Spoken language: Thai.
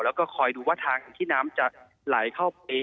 แล้วก็คอยดูว่าทางที่น้ำจะไหลเข้าไป